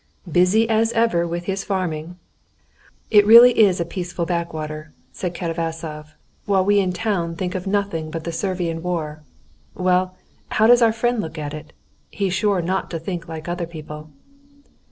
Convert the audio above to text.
"Busy as ever with his farming. It really is a peaceful backwater," said Katavasov; "while we in town think of nothing but the Servian war. Well, how does our friend look at it? He's sure not to think like other people."